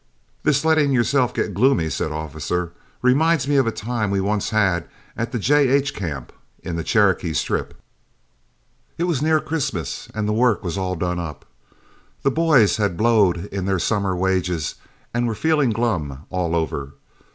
"This letting yourself get gloomy," said Officer, "reminds me of a time we once had at the 'J.H.' camp in the Cherokee Strip. It was near Christmas, and the work was all done up. The boys had blowed in their summer's wages and were feeling glum all over.